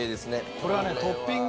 これはね。